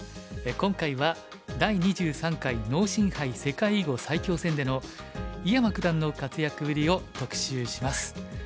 今回は第２３回農心杯世界囲碁最強戦での井山九段の活躍ぶりを特集します。